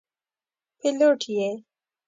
پیلوټ یې.